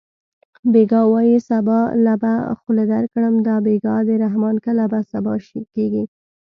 بېګا وایې سبا له به خوله درکړم دا بېګا د رحمان کله سبا کېږي